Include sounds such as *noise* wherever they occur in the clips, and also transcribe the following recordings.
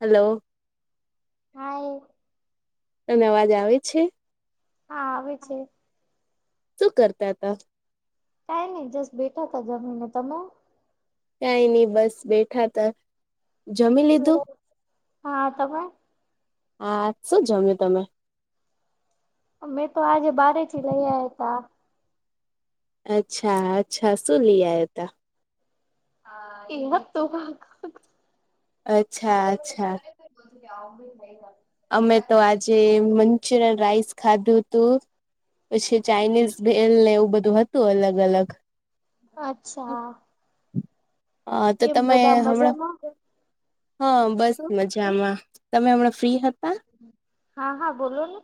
Hello. Hi તને અવાજ આવે છે? હા આવે છે. શું કરતા હતા કઈ નહી જસ બેઠા તા જમીને તમે કઈ નહી બસ બેઠા તા જમી લીધું સુરત હા તમે હા શું જમ્યું તમે મેં તો આજે બારેથી લઇયા હતા. અચ્છા અચ્છા સુું લી આ ત મ ત અચ્છા અચ્છા કેમ થઈ ગ અમે તો આજે મંચુરિયન રાઈસ ખાધું તુ પછી ચાઇનીઝ ને એવું બધું હતું અલગ અલગ અચ્છા હા તો કેમ તમે બધા હમણા મજામાં હા બસ શું મજામાં તમે હમણાં ફ્રી હતા. હા હા બોલો ને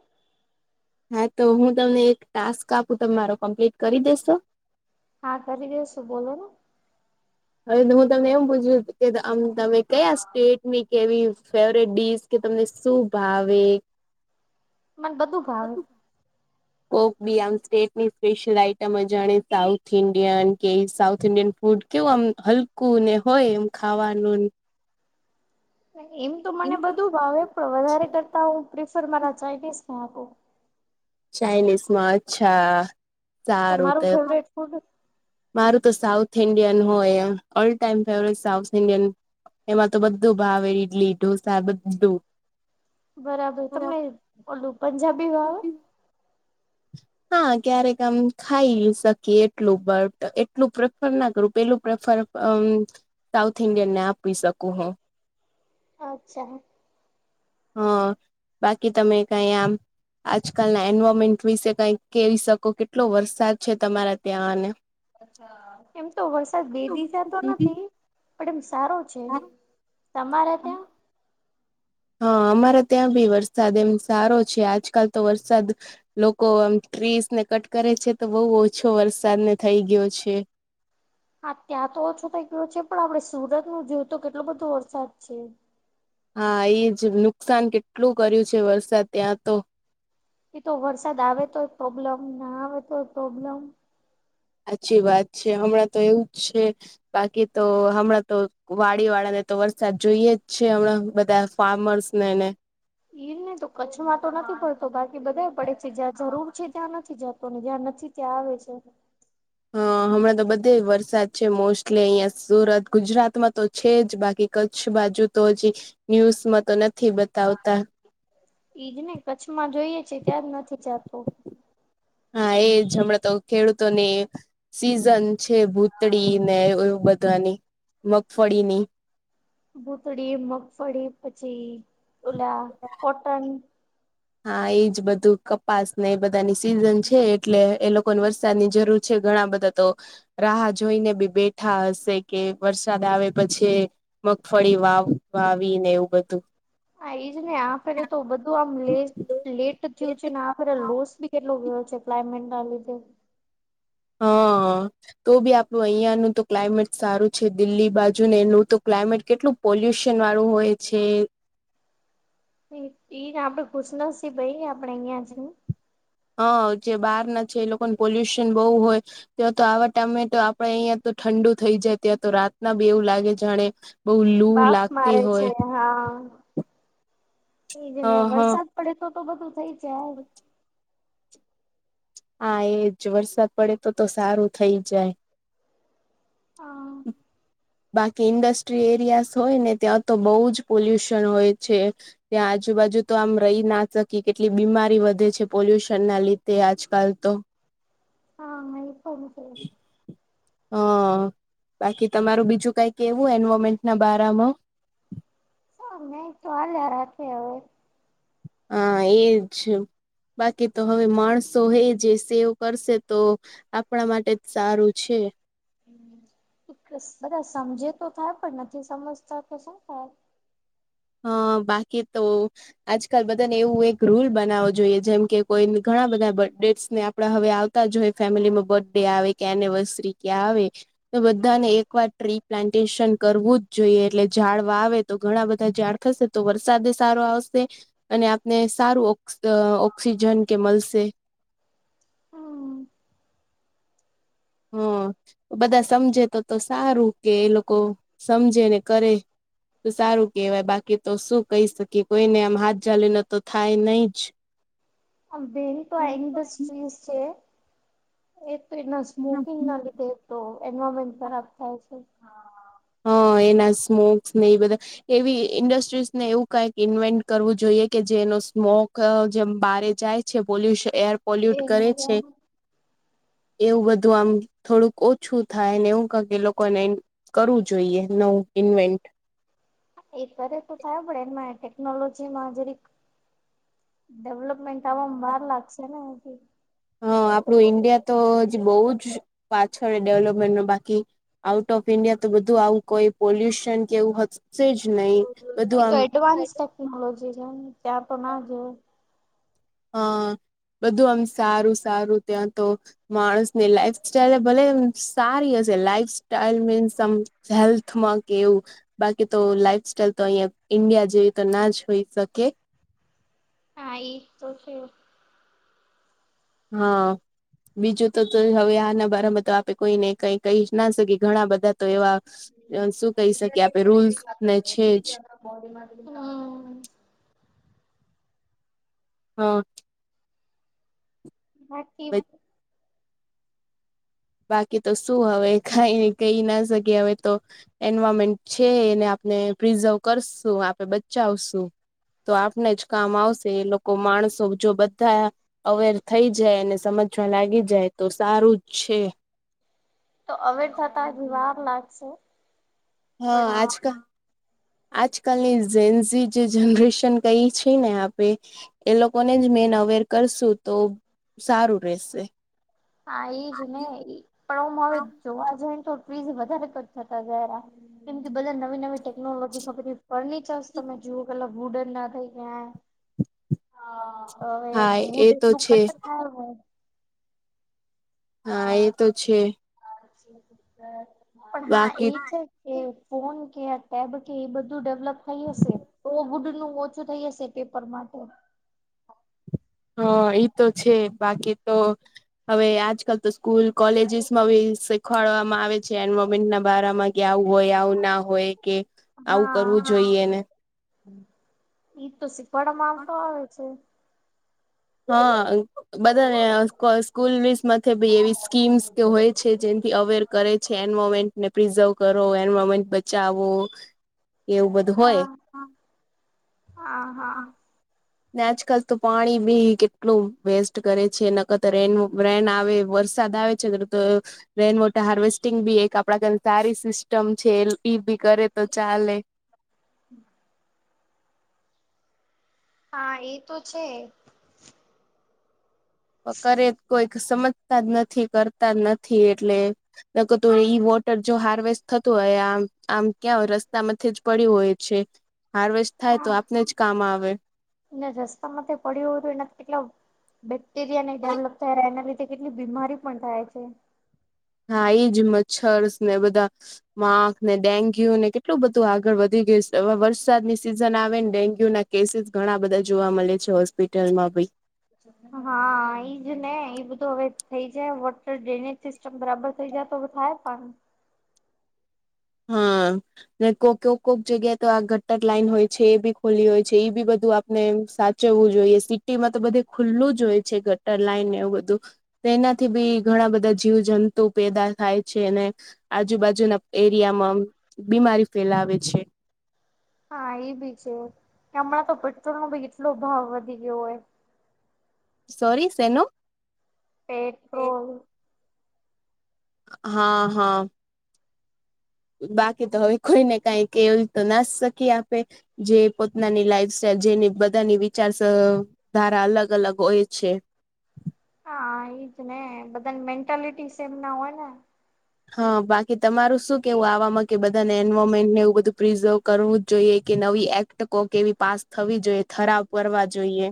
હા તો હું તમને એક ટાસ્ક આપું ત મારો કમ્પ્લીટ કરી દેેશો. હા કરી દ શું બોલો ને હવે હું તમને એમ પૂછ્યુ કેમ તમે કયા સ્ટેટ કેવી ફેવરટ ડીશ કે તમને શું ભાવે મને બધું ભાવ્યુ. કોક બી આમ સ્ટેટની સ્પેશિયલ આઈટમ અ જાણે સાઉથ ઇન્ડિયન કે સાઉથ ઇન્ડિયન ફૂડ કેવું આમ હલકું ને હોય એમ ખાવાનુ એમ તો મને બધું ભાવે પણ વધારે કરતા હું પ્રિફર મારા ચાઇનીઝ ને આપુ ચઇનીઝમાં અચ્છા સારું તમારું તો ફેવરેટ ફૂડ મારું તો સાઉથ ઇન્ડિયન હોય all time favourite south Indian એમાં તો બધું ભાવે ઈડલી ઢોસા બધુ બરાબર તમને બોલું પંજાબી આવે હા ક્યારેક આમ ખાઈ શકીએ એટલું બ એટલું પ્રેફર ના કરું પેલુ પ્રેફર અમ સાઉથ ઇન્ડિયન ને આપી શકું હુ અચ્છા હ બાકી તમે કઈ આમ આજકાલના એન્વાયરમેન્ટ વિશે કઈ કે શકો કેટલો વરસાદ છે, તમારા ત્યાંને એમ તો વરસાદ બે દીધાતો નથી પણ એમ સારો છે. તમામારે ત હા અમારે ત્યાં ભી વરસાદ એમ સારો છે આજકાલ તો વરસાદ લોકો આમ ટ્રીસ ને કટ કરે છે તો બહુ ઓછો વરસાદ ને થઈ ગયો છે. હા ત્યાં તો ઓછો થઈ ગયો છે પણ આપડે સુરત નું જોયું તો કેટલો બધો વરસાદ છે. હા એ જ નુકસાન કેટલું કર્યું છે, વરસાદ ત્યા તો એ તો વરસાદ આવે તોય પ્રોબ્લેમ ના આવે તો પ્રોબ્લેમ સાચચી વાત છે હમણાં તો એવું જ છે. બાકી તો હમણાં તો વાડી વાળા ને તો વરસાદ જોઈએ જ છે, હમણા બધા ફાર્મર્સને એ ને ઈર ને તો કચ્છમાં તો નથી પડતો બાકી બધા પડે છે જ્યાં જરૂર છે, ત્યાં નથી જતો ને જ્યાં નથી. ક્યાં આવે છે. હા હમણાં તો બધે વરસાદ છે, મોસ્ટલી અહિયાં સુરત ગુજરાતમાં તો છે જ બાકી કચ્છ બાજુ તો હજી ન્યુઝમાં તો નથી બતાવતા એઈજ ને કચ્છમાં જોઈએ છે, ત્યાં જ નથી ચતુ હા એ જ હમણાં તો ખેડૂતો ને સીઝન છે ભૂતળી ને એું બધાની મગફળી ની ભૂતડી મગફળી પછી ઓલા હ *inaudible* કોટન હા એજ બધું કપાસ ને એ બધાની સિઝન છે એટલે એ લોકોને વરસાદની જરૂર છે ઘણા બધા તો રાહ જોઈને બી બેઠ ા હશે કે વરસાદ આવે પછી મગફળી વાવ વાવી ને એવું બધું. હા એજ ને આ ફેરે તો બધું આમ લે લેટ થયું છે ને આ ફેરે લોસ બી કેટલો છે એપ્લાયમેન્ટધ હા. તો બી આપણું અહિયાંનું તો ક્લાયમેટ સારું છે દિલ્હી બાજુ ને એનું તો ક્લાયમેટ કેટલું. પોલ્યુશન વાળું હોય છે. એઈ આપડે ખુશ નશીબ ભાઈ આપડે અહિયાં છે હોં હા જે બહાર ના છે એ લોકોને પોલ્યુશન બહુ હોય ત્યાં તો આવા ટાઈમ મે તો આપડે અહિયાં તો ઠંડુ થઈ જાય ત્યાં તો રાતના બી એવું લાગે જાણે બહુ લૂ બાફ લાગતી મારે છે હોય હા. એજ હ હ ને હા વરસાદ પડે તો તો બધું થઇ જાય હા એજ વરસાદ પડે તો તો સારું થઇ જાય. હા. બાકી ઇન્ડસ્ટ્રી એરિયા હોય ને ત્યાં તો બહુ જ પોલ્યુશન હોય છે. ત્યાં આજુબાજુ તો આમ રહી ના શકીયે કેટલી બીમારી વધે છે પોલ્યુશન ના લીધે આજકાલ તો. હા અઈ તોમ છે. *unintelligible* હ બાકી તમારું બીજું કઈ કેવું એન્વોમેન્ટ ના બારામાં. શમે તો હાલયા રાખે હવે. હ એજ બાકી તો હવે માણસો એ જે સેવ કરશે તો. આપણા માટે જ સારું છે. એક બધા સમજે તો થાય પણ નથી સમજતા તો શું થાય. હા બાકી તો આજકાલ બધાને એવું એક રૂલ બનાવો જોઈએ જેમ કે કોઈ ઘણા બધા બડેટસને આપડા હવે આવતા હોંયે ફેમિલીમાં બર્થ ડે આવે કે એનિવર્સરી કે આવે. તો બધાને એકવાર ટ્રી પ્લાન્ટેશન કરવું જ જોઈએ એટલે ઝાડ વાવે તો ઘણા બધા ઝાડ ખશે તો વરસાદ સારો આવશે અને આપને સારું ઓક્સીજન કે મલસે. હમ હમ બધા સમજે તો તો સારું કે એ લોકો સમજે ને કરે. તો સારું કેહેવાય બાકી તો શું કહી શકી કોઈને આમ હાથ જાાલીને તો થાય નહી જ. આ બેન તો આ ઇન્ડસ્ટ્રીઝ છે એ તો એના. સ્મોકિંગ ના લીધે તો એન્વાયરમેન્ટ ખરાબ થાય છે. હા એના સ્મોક્સ ને બધા એવી ઇન્ડસ્ટ્રીઝને એવું કઈક ઇન્વેન્ટ કરવું જોઈએ કે જેનો સ્મોક જેમ બારે જાય છે પોલસ એર એ પોલ્યુટ કરે છે. એવું બધું આમ થોડુંક ઓછું થાય ને એવું કાંક લોકોને કરવું જોઈએ નવું ઇન્વેન્ટ. એ કરે તો થાય પણ એમાં ટેકનોલોજીમાં જરીક ડેવલપમેન્ટ તવમ વાર લાગશે ને હજી હા આપડુ ન્ડિયા તો હજી બઉ જ પાછળ ડેવલપમેન્ટ મા બાકી આઉટ ઓફ ઈન્ડિયા તો બધું આવું કોઈ પોલ્યુશન કેવું હ શે જ જ નહી બધું આમ *unintelligible* ત્યા તો ના જો હ બધું આમ સારું સારું ત્યાં તો. માણસની લાઈફ સ્ટાઈલ ભલે એમ સારી હશે લાઈફ સ્ટાઈલ મીન્સ આમ હેલ્થમાં કે એવું. બાકી તો લાઈફ સાઈલ તો અહીયાં ઈન્ડિયા જેવી તો ના જ હોઈ શકે. હા ઈ તો છે. હા. બીજું તો હવે આના બારમાં તો આપે કોઈને કઈ કહી ના શકીયે ઘણા બધા તો એવા. શું કહી શકીએ આપે રૂલ્સ ને છે જ. હમ હ બાકી. બાકી તો શું હવે કાઈની કઈ ના સક્યે હવે તો. એન્વાયરમેન્ટ છે એને આપને પ્રિઝર્વ કરશું આપે બચાવશું. તો આપને જ કામ આવશે એ લોકો માણસો જો બધા. અવેર થઈ જાય અને સમજવા લાગી જાય તો સારું જ છે. તો અવેર થતા હજી વાર લાગશે. હા પણ આજ કા આજકાલની જેન્ઝી જે જનરેશન કઈ છે ને આપે. એ લોકોને જ મેન અવેર કરશું તો સારું રશે. હા ઈજ ને પણ હમ હવે જોવા જઈ ને તો ટ્રીઝ વધારે *unintelligible* થતા જાય કેમ કે ભલે નવી નવી ટેકનોલોજી ખપે ફર્નિચર્સ તમે જુઓ કેટલા વુડન ના થઈ ક્યાં. *inaudible* હા હવે હા એ હુડ તો એટલું છે કટ થાય વું હા એ તો છે હા પણ હા બાકી એ છે. એ ફોન કે આ ટેબ કે એ બધું ડેવલપ થઈ હશે તો બુડ નું ઓછું થઈ હશે. પેપર માટે. હ ઈ તો છે બાકી તો હવે આજ તો સ્કૂલ કોલેજસ માંબી સી ખાડવામાં આવે છે એન્મેન્ટ ના બારામાં ગયા હોય આવું ના હોય કે આવું હા કરવું જોઈએ ને ઈ તો શીખવાડમાં આવતો હોય છે. હા. બધાને સ્કૂલ વિઝ માથેબી એવી સ્કીમ્સ કે હોય છે જેથી અવેર. કરે છે એન્વાયરોમેન્ટને પ્રિઝર્વ કરો એન્વાયરમેન્ટ બચાવો. એવું બધું હા હોય હા હા. ને આજકાલ તો પાણી બી કેટલું વેસ્ટ કરે છે નકત રેન રેન આવે વરસાદ આવે. છેદરત રેઇન વોટર હાર્વેસ્ટિંગ બી એક આપડા કરતા હારી સિસ્ટમ છે એલ પી પી કરે તો ચાલે. હમ. હા એ તો છે. કરે કોઈક સમજતા જ નથી કરતા જ નથી એટલે. ન કતું ઈ વોટર જો હાર્વેસ્ટ થતું હોય આમ આમ ક્યાં હોય રસ્તામાંથી જ પડ્યું હોય છે. હાર્વેસ્ટ થાય તો આપને જ કામ આવે. રસ્તા માંથી પડ્યું હતું એના કેટલા બેક્ટેરિયા ન ડેવલપ થાય એના લીધે. કેટલી બીમારી પણ થાય છે. હા એ જ મચ્છર ને બધા. માખ ને ડેન્ગ્યુ ને કેટલું બધું આગળ વધી ગયું છે હવે વરસાદ ની સિઝન આવે ને ડેન્ગ્યુ ના. કેસીસ ઘણા બધા જોવા મળે છે હોસ્પિટલમાં બી. હા એઈ જ ને એઈ બધું હવે થઈ જાય વોટર ડ્રેનેજ સિસ્ટમ બરાબર. એયા તોમે ક થાય પા. હા. કો કોઈક કોઈક જગ્યાએ તો આ ઘટર લાઈન હોય છે એ બી ખોલી હોય છે એ બી બધું. ને સાચવવું જોઈએ સિટીમાં તો બધે ખુલ્લું જ હોય છે ગટર લાઈનને એવું બધું. એનાથી બી ઘણા બધા જીવજંતુ પેદા થાય છે અનેને આજુબાજુના. એરિયામાં બીમારી ફેલાવે છે. હા એ બી છે કે હમણાં તો પેટ્રોલ નો ભી કેટલો ભાવ વધી ગયો હોય. સોરી સેનું. પેટ્રો હા હા બાકી તો હવે કોઈ ને કઈક એવી તો ના શકી આપે. જે પોતાનાની લાઈફ સાઈલ જેને બધાની વિચાર સ વિચારધારા અલગ અલગ હોય છે. હા એજ ને બધા મેન્ટાલિટી એમ ના હોય ને. હા બાકી તમારું શું કેવું આવામાં કે બધાને એન્વાયરમેન્ટને એવું બધું પ્રિઝર્વ કરવું જ જોઈએ કે નવી એક નાકો કેવી પાસ થવી જોઈએ. ઠરાવ કરવા જોઈએ.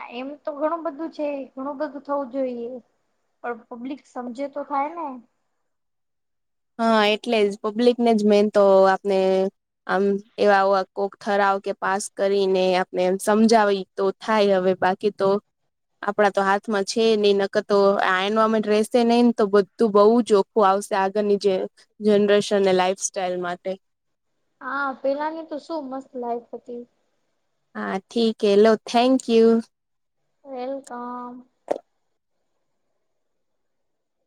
આ એમ તો ઘણું બધું છે. ઘણું બધું થવું જોઈએ. પણ પબ્લિક સમજે તો થાય ને હા એટલે જ પબ્લિકને જ મેન તો આપને આમ એવા કોક ઠરાવ કે પાસ કરીને આપને સમજાવી તો થાય હવે બાકી તો આપડા તો હાથમાં છે નઈ નકતો એનમેન્ટ રહેશે નહી ને તો બધું બહુ જ ઓખ્ખું આવશે આ આગરની જે જનરેશન અને લાઈફ સાઈલ માટે હા પેલા ની તો શું મસ્ત લાયફ હતી. હા ઠીક હ લો થેન્કયુ. વેલકમ.